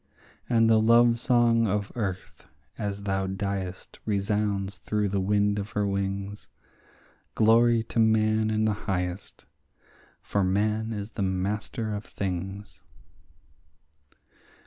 And the love song of earth as thou diest resounds through the wind of her wings— Glory to Man in the highest! for Man is the master of things.